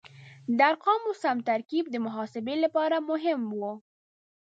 د ارقامو سم ترکیب د محاسبې لپاره مهم و.